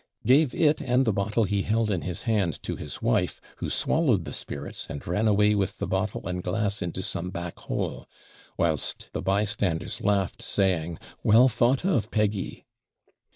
gave it and the bottle he held in his hand to his wife, who swallowed the spirits, and ran away with the bottle and glass into some back hole; whilst the bystanders laughed, saying, 'Well thought of, Peggy!'